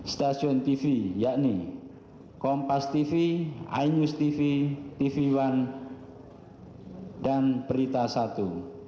stasiun tv yakni kompas tv ainus tv tv one dan berita satu